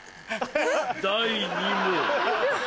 第２問。